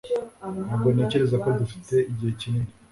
Ntabwo ntekereza ko dufite igihe kinini